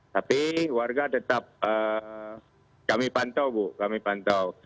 tapi warga tetap kami pantau bu kami pantau